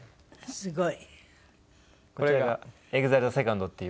すごい。